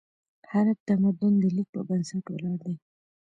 هر تمدن د لیک په بنسټ ولاړ دی.